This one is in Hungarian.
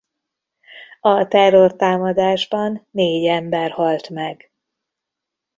A terrortámadásban négy ember halt meg.